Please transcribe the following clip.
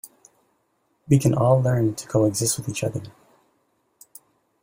We can all learn to coexist with each other.